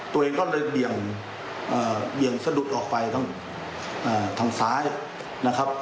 ตัวเองก็เลยเบี่ยงสะดุดออกไปทางซ้ายนะครับ